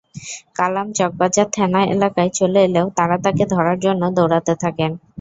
কালাম চকবাজার থানা এলাকায় চলে এলেও তাঁরা তাঁকে ধরার জন্য দৌড়াতে থাকেন।